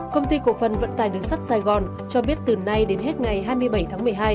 công ty cổ phần vận tài đường sắt sài gòn cho biết từ nay đến hết ngày hai mươi bảy tháng một mươi hai